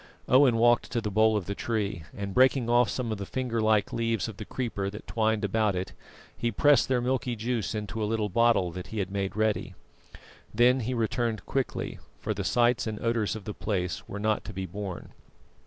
Owen walked to the bole of the tree, and breaking off some of the finger like leaves of the creeper that twined about it, he pressed their milky juice into a little bottle that he had made ready. Then he returned quickly, for the sights and odours of the place were not to be borne.